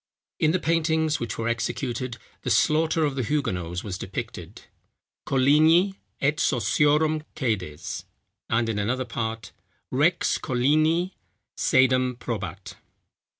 In the paintings which were executed, the slaughter of the Huguenots was depicted, "Colignii et Sociorum cædes;" and in another part, _"Rex Colignii cædam probat."